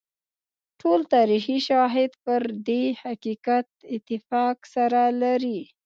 ټول تاریخي شواهد پر دې حقیقت اتفاق سره لري.